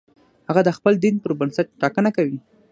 هغه د خپل دین پر بنسټ ټاکنه کوي.